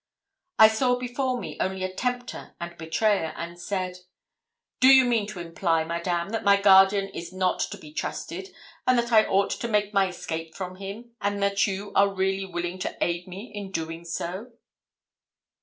I saw before me only a tempter and betrayer, and said 'Do you mean to imply, Madame, that my guardian is not to be trusted, and that I ought to make my escape from him, and that you are really willing to aid me in doing so?'